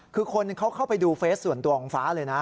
คือคนเขาเข้าไปดูเฟสส่วนตัวของฟ้าเลยนะ